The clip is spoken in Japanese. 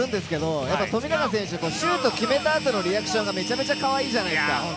もちろんワクワクするんですけれども、富永選手、シュートを決めた後のリアクションがめちゃめちゃかわいいじゃないですか。